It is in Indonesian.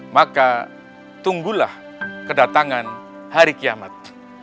maka tunggulah kedatangan hari kiamat